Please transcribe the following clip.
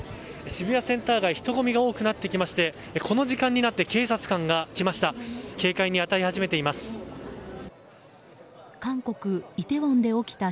渋谷センター街人混みが多くなってきましてこの時間になって警察官が来ました。